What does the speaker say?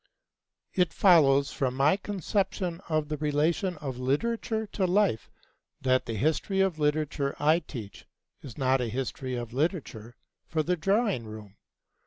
It follows from my conception of the relation of literature to life that the history of literature I teach is not a history of literature for the drawing room.